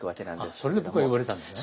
それで僕が呼ばれたんですね。